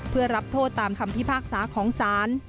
เพื่อรับโทษตามคำพิพากษาของศาล